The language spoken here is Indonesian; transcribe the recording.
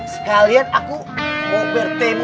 sekalian aku mau bertemu